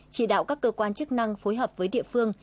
chỉ đạo các cơ quan chức năng phối hợp với địa phương